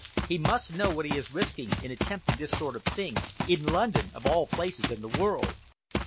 He must know what he is risking in attempting this sort of thing, in London of all places in the world."